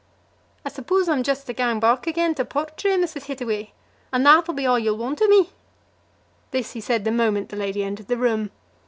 "I suppose I'm jist to gang bock again to Portray, Mrs. Heetaway, and that'll be a' you'll want o' me?" This he said the moment the lady entered the room.